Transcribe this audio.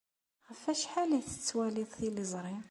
Ɣef wacḥal ay tettwaliḍ tiliẓri?